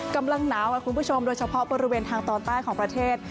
กำลังหนาวค่ะคุณผู้ชมโดยเฉพาะบริเวณทางตอนใต้ของประเทศ